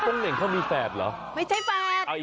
โป้งเน่งเขามีแฝดเหรออีกคนใครอ่ะไม่ใช่แฝด